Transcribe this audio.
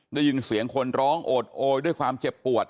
ได้ยินเสียงคนร้องโอดโอยด้วยความเจ็บปวด